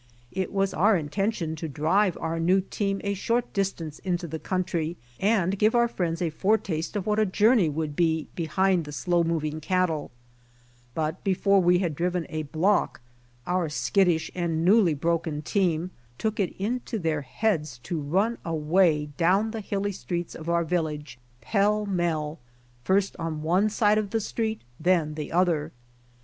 It was our intention to drive our new team a short distance into the country and give our friends a foretaste of what a journey would be behind the slow moving cattle, but before we had driven a block our skittish and newly broken team took it into their heads to run away down the hilly streets of our village, pell mell, first on one side of the street then the other.